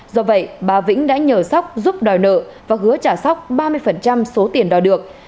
do vậy bà vĩnh đã nhờ sóc giúp đòi nợ và hứa trả sóc ba mươi số tiền đòi được